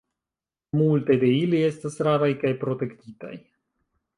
Multe de ili estas raraj kaj protektitaj.